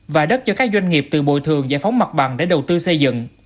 và đất cho các doanh nghiệp từ bồi thường giải phóng mặt bằng để đầu tư xây dựng